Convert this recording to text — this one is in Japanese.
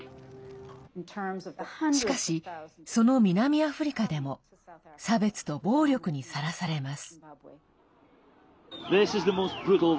しかし、その南アフリカでも差別と暴力にさらされます。